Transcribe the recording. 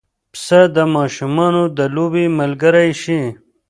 پسه د ماشومانو د لوبې ملګری شي.